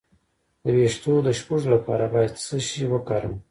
د ویښتو د شپږو لپاره باید څه شی وکاروم؟